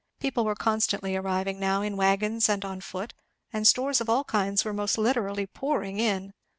People were constantly arriving now, in wagons and on foot; and stores of all kinds were most literally pouring in.